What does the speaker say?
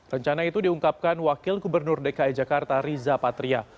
rencana itu diungkapkan wakil gubernur dki jakarta riza patria